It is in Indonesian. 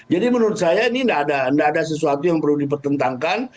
jadi menurut saya ini tidak ada sesuatu yang perlu dipertentangkan